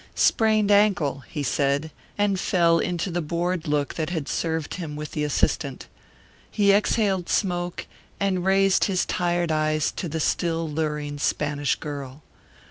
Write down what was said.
"Sprained ankle," he said, and fell into the bored look that had served him with the assistant. He exhaled smoke and raised his tired eyes to the still luring Spanish girl.